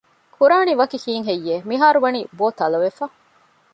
ކުރާނީ ވަކި ކީއްހެއްޔެވެ؟ މިހާރު ވަނީ ބޯ ތަލަވެފަ